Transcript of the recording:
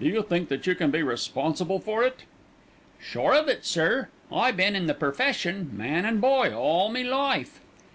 Do you think that you can be responsible for it?" "Sure of it, sir. I been in the perfession, man and boy, all me life."